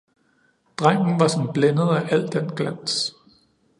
Drengen var som blændet af al den glans.